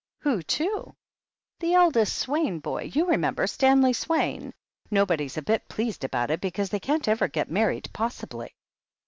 "Who to?" "The eldest Swaine boy — ^you remember Stanley Swaine ? Nobody's a bit pleased about it, because they can't ever get married, possibly."